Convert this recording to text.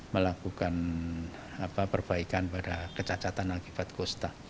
melakukan perbaikan pada kecacatan akibat kosta